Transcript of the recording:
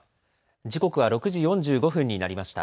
時刻は６時４５分になりました。